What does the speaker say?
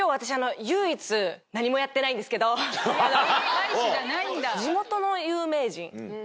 大使じゃないんだ。